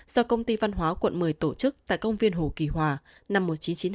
do công ty văn hóa quận một mươi tổ chức tại công viên hồ kỳ hòa năm một nghìn chín trăm chín mươi hai